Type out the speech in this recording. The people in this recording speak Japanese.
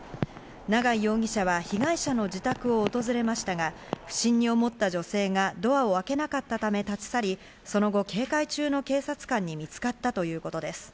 永井容疑者は被害者の自宅を訪れましたが不審に思った女性がドアを開けなかったため立ち去り、その後、警戒中の警察官に見つかったということです。